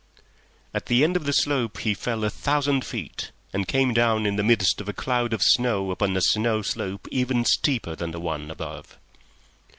At the end of the slope he fell a thousand feet, and came down in the midst of a cloud of snow upon a snow slope even steeper than the one above.